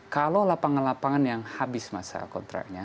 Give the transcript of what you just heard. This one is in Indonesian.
kalau lapangan lapangan yang habis masa kontraknya